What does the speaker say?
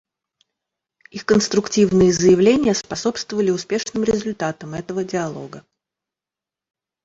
Их конструктивные заявления способствовали успешным результатам этого Диалога.